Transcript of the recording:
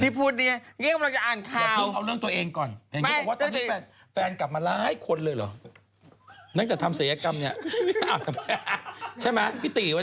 พี่พูดเนี้ยเรียกกำลังจะอ่านข่าว